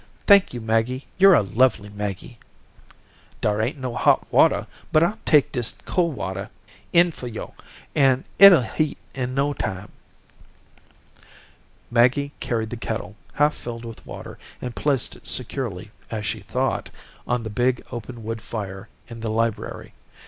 Thank you, Maggie. You're a lovely Maggie." "Dar ain't no hot watah, but I'll take dis cold watah in fur yo', an' it'll heat in no time." Maggie carried the kettle, half filled with water, and placed it securely, as she thought, on the big open wood fire in the library.